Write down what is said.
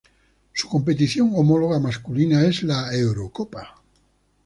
Su competición homóloga masculina es la Eurocopa.